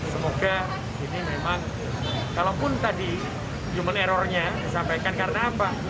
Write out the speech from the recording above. semoga ini memang kalaupun tadi human errornya disampaikan karena apa